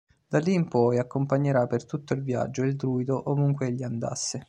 Da lì in poi accompagnerà per tutto il viaggio il Druido ovunque egli andasse.